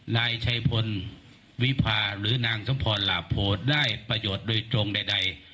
นายชัยพลวิพาหรือนางสมพรหลาโพได้ประโยชน์โดยตรงใด